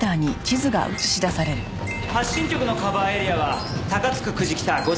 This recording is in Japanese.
発信局のカバーエリアは高津区久地北５丁目から６丁目。